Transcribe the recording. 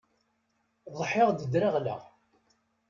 Ḍḥiɣ-d ddreɣleɣ.